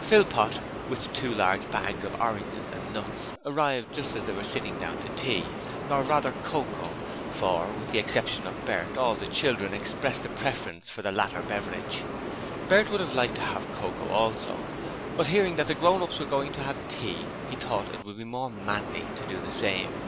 Philpot, with two large paper bags full of oranges and nuts, arrived just as they were sitting down to tea or rather cocoa for with the exception of Bert all the children expressed a preference for the latter beverage. Bert would have liked to have cocoa also, but hearing that the grown ups were going to have tea, he thought it would be more manly to do the same.